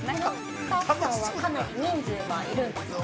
◆スタッフさんはかなり人数はいるんですか。